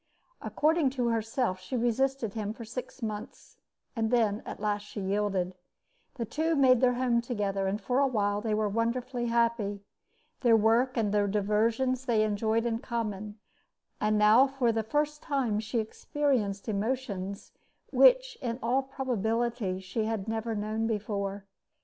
According to herself, she resisted him for six months, and then at last she yielded. The two made their home together, and for a while were wonderfully happy. Their work and their diversions they enjoyed in common, and now for the first time she experienced emotions which in all probability she had never known before.